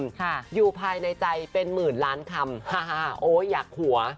ค่ะอยู่ภายในใจเป็นหมื่นล้านคำฮ่าโอ้อยากหัว